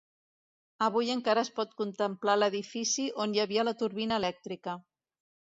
Avui encara es pot contemplar l'edifici on hi havia la turbina elèctrica.